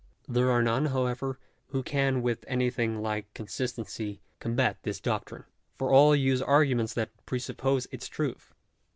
There are none, however, who can with anything like con sistency combat this doctrine ; for all use arguments that pre suppose its truth.